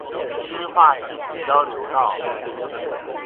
新化系統交流道